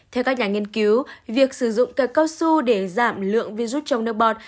theo các nhà nghiên cứu việc sử dụng cây cao su để giảm lượng virus trong nước bọt